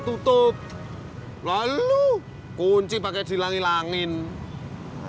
sampai jumpa di video selanjutnya